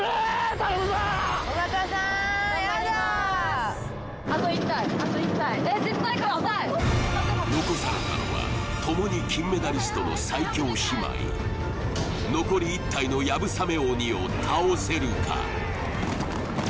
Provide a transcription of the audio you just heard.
頼むぞ・尾形さーんやだー・頑張ります残されたのはともに金メダリストの最強姉妹残り１体の流鏑馬鬼を倒せるか？